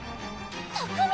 拓海？